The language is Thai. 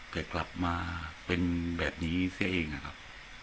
แต่กลับมาเป็นแบบนี้เสียเองนะครับ